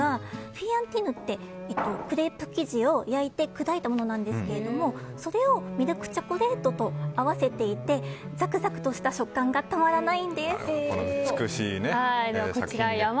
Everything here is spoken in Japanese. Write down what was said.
フィーアンティーヌってクレープ生地を焼いてくだいたものなんですがそれをミルクチョコレートと合わせていてザクザクした食感がたまらないんです。